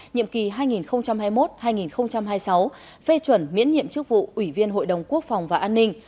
nhiệm kỳ hai nghìn hai mươi một hai nghìn hai mươi sáu phê chuẩn miễn nhiệm chức vụ ủy viên hội đồng quốc phòng và an ninh